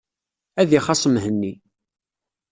Ad ixaṣ Mhenni.